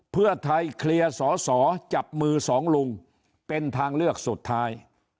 เพื่อไทยเคลียร์สอสอจับมือสองลุงเป็นทางเลือกสุดท้าย